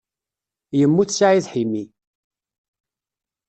Yemmut Saɛid Ḥimi.